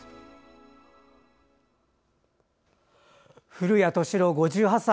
古谷敏郎、５８歳。